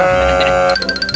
nenek bukan kita dapat janjian